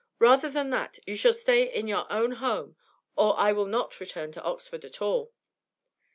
Rather than that, you shall stay in your own home, or I will not return to Oxford at all.'